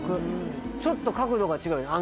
ちょっと角度が違うよね